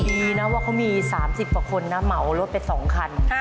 ดีนะว่าเขามี๓๐กว่าคนนะเหมารถไป๒คัน